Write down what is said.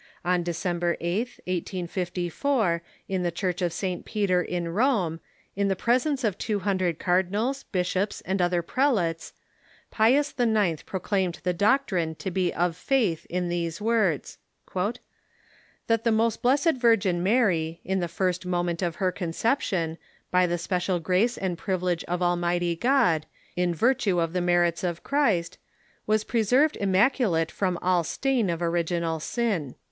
On De cember Sth, 1854, in the Church of St. Peter, in Rome, in the presence of two hundred cardinals, bishops, and other prelates, Pius IX, proclaimed the doctrine to be of faith in tliese words : 388 THE MODERN CHURCH " That the most blessed Virgin Mary, in the first moment of her conception, by the special grace and privilege of Almighty God, in virtue of the merits of Christ, was preserved immacu late from all stain of original sin."